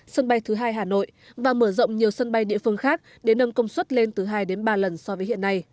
sân bay thứ hai hà nội và mở rộng nhiều sân bay địa phương khác để nâng công suất lên từ hai đến ba lần so với hiện nay